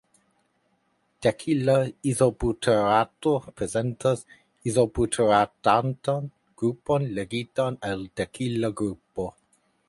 Dekila izobuterato prezentas izobuteratan grupon ligitan al dekila grupo.